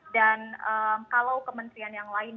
dan kalau kementerian yang lain